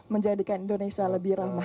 menjadikan indonesia lebih ramah